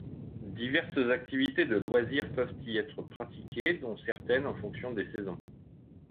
Diverses activités de loisirs peuvent y être pratiquées dont certaines en fonction des saisons.